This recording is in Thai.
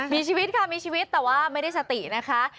มีชีวิตค่ะมีชีวิตแต่ว่าไม่ได้สตินะคะ